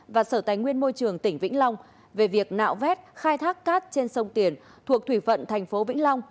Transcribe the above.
và sở tài nguyên môi trường tỉnh vĩnh long về việc nạo vét khai thác cát trên sông tiền thuộc thủy phận thành phố vĩnh long